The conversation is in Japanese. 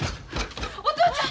お父ちゃん！